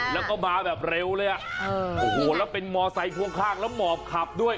แล้วก็มาแบบเร็วเลยอ่ะโอ้โหแล้วเป็นมอไซค่วงข้างแล้วหมอบขับด้วย